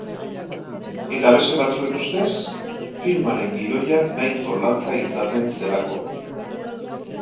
Eta beste batzuen ustez, filmaren gidoia nahiko latza izaten zelako.